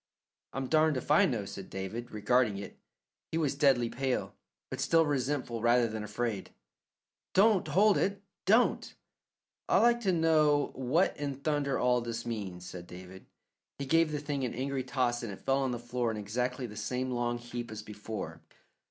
"I'm darned if I know," said David, regarding it. He was deadly pale, but still resentful rather than afraid. "Don't hold it; don't!" "I'd like to know what in thunder all this means?" said David. He gave the thing an angry toss and it fell on the floor in exactly the same long heap as before.